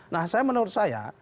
nah saya menurut saya